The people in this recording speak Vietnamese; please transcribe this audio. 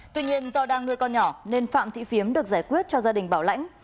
tuy nhiên do đang nuôi con nhỏ nên phạm thị phiếm được giải quyết cho gia đình bảo lãnh